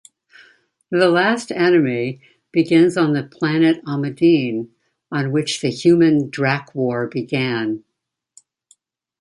The Last Enemy begins on the planet Amadeen, on which the human-Drac war began.